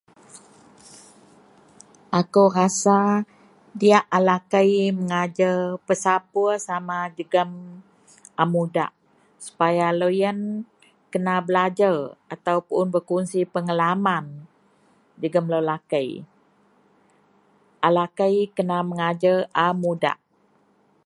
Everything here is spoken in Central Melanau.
Ako rasa diyak a lakei mengajar pesapur sama jegum a mudak supaya loyen kena belajar ataupun berkongsi pengalaman jegum lo lakei. A lakei kena mengajar a mudak.